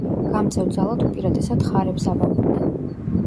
გამწევ ძალად უპირატესად ხარებს აბამდნენ.